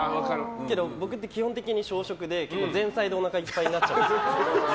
けど、僕って基本的に小食で前菜でおなかいっぱいになっちゃうんですよ。